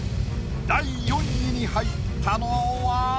第４位に入ったのは？